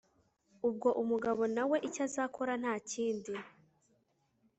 ubwo umugabo nawe icyo azakora nta kindi